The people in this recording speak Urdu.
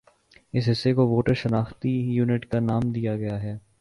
اس حصہ کو ووٹر شناختی یونٹ کا نام دیا گیا ہے